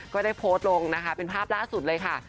ก็ได้โพสต์ลงนะคะเป็นภาพล่าสุดเลยค่ะ